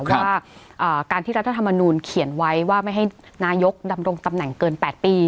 ว่าการที่รัฐธรรมนูลเขียนไว้ว่าไม่ให้นายกดำรงตำแหน่งเกิน๘ปี